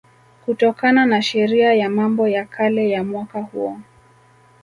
kutokana na Sheria ya Mambo ya Kale ya mwaka huo